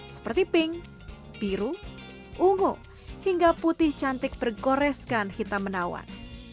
seperti pink biru ungu hingga putih cantik bergoreskan hitam menawan